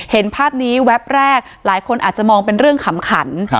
เห็นภาพนี้แวบแรกหลายคนอาจจะมองเป็นเรื่องขำขัน